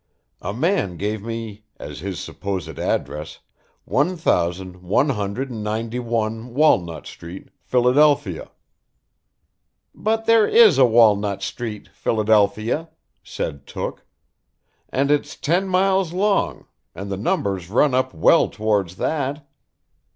A man gave me as his supposed address, one thousand one hundred and ninety one, Walnut Street, Philadelphia." "But there is a Walnut Street, Philadelphia," said Took, "and it's ten miles long, and the numbers run up well towards that."